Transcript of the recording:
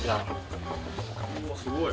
うわすごい。